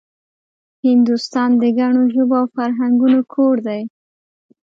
هندوستان د ګڼو ژبو او فرهنګونو کور دی